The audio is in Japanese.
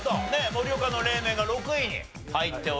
盛岡の冷麺が６位に入っておりました。